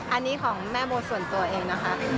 อันนี้ของแม่โบส่วนตัวเองนะคะ